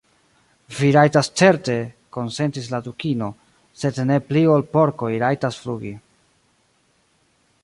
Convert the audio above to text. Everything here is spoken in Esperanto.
"Vi rajtas certe," konsentis la Dukino, "sed ne pli ol porkoj rajtas flugi.